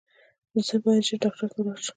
زه باید ژر ډاکټر ته ولاړ شم